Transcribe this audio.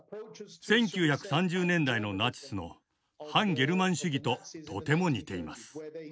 １９３０年代のナチスの「汎ゲルマン主義」ととても似ています。